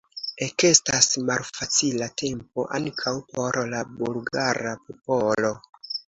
Ekestas malfacila tempo ankaŭ por la bulgara popolo.